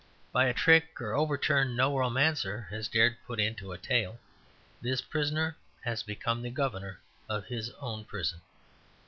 By a trick or overturn no romancer has dared to put in a tale, this prisoner had become the governor of his own prison.